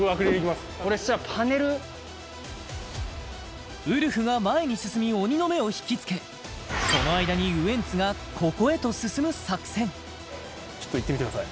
俺そしたらパネルウルフが前に進み鬼の目を引きつけその間にウエンツがここへと進む作戦ちょっといってみてください